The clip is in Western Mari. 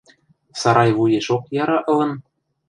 – Сарайвуешок яра ылын...